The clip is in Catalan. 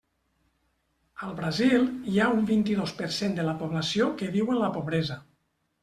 Al Brasil hi ha un vint-i-dos per cent de la població que viu en la pobresa.